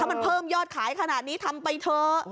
มันเพิ่มยอดขายขนาดนี้ทำไปเถอะ